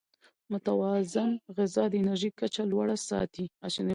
متوازن غذا د انرژۍ کچه لوړه ساتي.